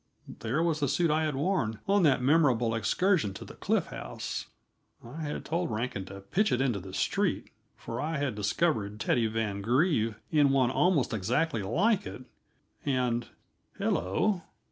There was the suit I had worn on that memorable excursion to the Cliff House I had told Rankin to pitch it into the street, for I had discovered Teddy Van Greve in one almost exactly like it, and Hello!